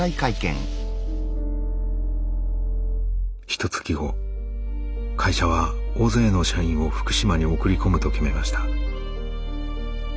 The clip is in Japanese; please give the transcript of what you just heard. ひとつき後会社は大勢の社員を福島に送り込むと決めました。